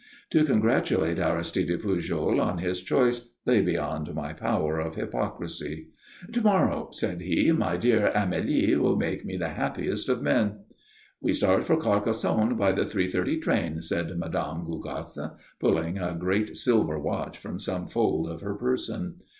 To congratulate Aristide Pujol on his choice lay beyond my power of hypocrisy. "To morrow," said he, "my dear Amélie will make me the happiest of men." "We start for Carcassonne by the three thirty train," said Mme. Gougasse, pulling a great silver watch from some fold of her person.